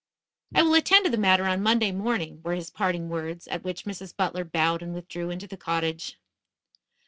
"I will attend to the matter on Monday morning," were his parting words, at which Mrs. Butler bowed and withdrew into the cottage.